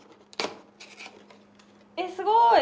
えっすごい！